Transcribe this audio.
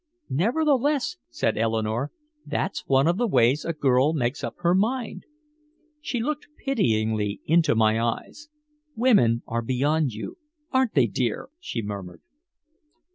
"Nevertheless," said Eleanore, "that's one of the ways a girl makes up her mind." She looked pityingly into my eyes. "Women are beyond you aren't they, dear?" she murmured.